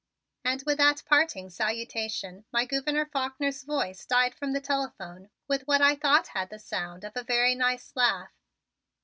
And with that parting salutation my Gouverneur Faulkner's voice died from the telephone with what I thought had the sound of a very nice laugh.